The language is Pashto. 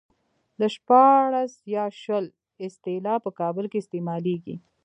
د شپاړس يا شل اصطلاح په کابل کې استعمالېږي.